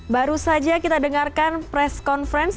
baru saja kita dengarkan press conference